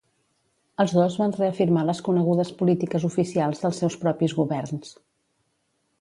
Els dos van reafirmar les conegudes polítiques oficials dels seus propis governs.